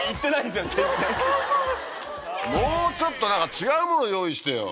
もうちょっと何か違うもの用意してよ。